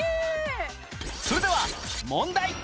それでは問題